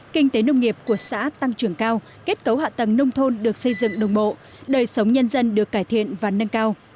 kinh tế nông nghiệp của xã tăng trưởng cao kết cấu hạ tầng nông thôn được xây dựng đồng bộ đời sống nhân dân được cải thiện và nâng cao